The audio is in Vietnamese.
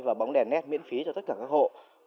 và bóng đèn nét miễn phí cho tất cả các hộ